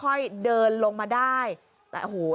แต่จังหวะนี้เห็นมั้ยขามันก็ยังแบบยังเลื่อนไป